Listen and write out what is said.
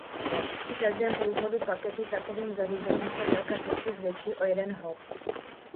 Při každém průchodu paketu takovým zařízením se délka cesty zvětší o jeden hop.